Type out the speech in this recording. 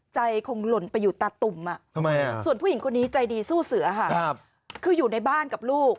ใจคงหล่นไปอยู่ตาตุ่มส่วนผู้หญิงคนนี้ใจดีสู้เสือค่ะคืออยู่ในบ้านกับลูก